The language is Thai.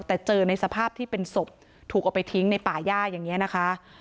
แต่เจอในสภาพที่เป็นศพถูกเอาไปทิ้งในป่าย่าอย่างนี้นะคะ